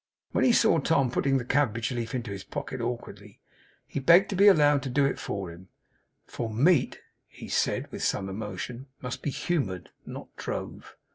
When he saw Tom putting the cabbage leaf into his pocket awkwardly, he begged to be allowed to do it for him; 'for meat,' he said with some emotion, 'must be humoured, not drove.